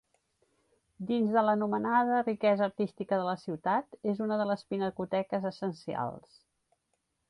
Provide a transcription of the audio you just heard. Dins de l'anomenada riquesa artística de la ciutat, és una de les pinacoteques essencials.